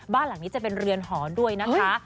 บ้านหลังนี้จะเป็นเรือนหอด้วยนะคะ